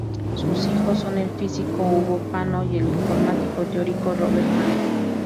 Sus hijos son el físico Ugo Fano y el informático teórico Robert Fano.